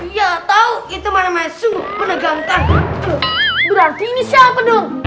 ya tahu itu menegangkan berarti ini siapa dong